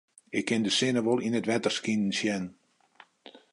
Ik kin de sinne wol yn it wetter skinen sjen.